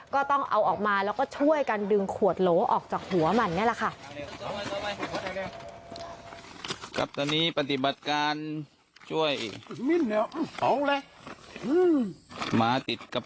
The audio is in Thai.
ก็ต้องเอาออกมาแล้วก็ช่วยกันดึงขวดโหลออกจากหัวมันนี่แหละค่ะ